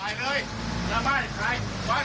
เอาดิ